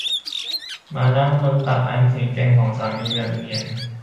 มานั่งบนตักอันแข็งแกร่งของสามีแบบเนียน